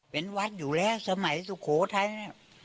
เป็นวัดอยู่แล้วสมัยสุโขทัยเนี่ย